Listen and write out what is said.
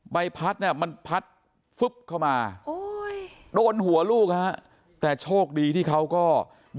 ใบพัดมันพัดฝึบเข้ามาโดนหัวลูกฮะแต่โชคดีที่เขาก็ดึงลูก